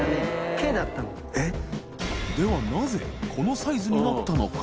なぜこのサイズになったのか？